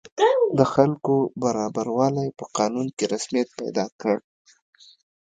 د خلکو برابروالی په قانون کې رسمیت پیدا کړ.